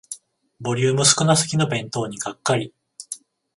ボリューム少なすぎの弁当にがっかり